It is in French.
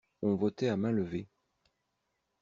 On votait à mains levées.